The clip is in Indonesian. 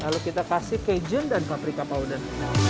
lalu kita kasih kejun dan paprika powder